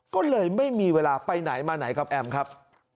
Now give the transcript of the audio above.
ก็เลยไม่มีเวลาไปไหนมาไหนกับแอมครับ